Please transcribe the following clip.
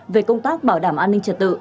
về công tác bảo đảm an ninh trật tự